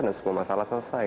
dan semua masalah selesai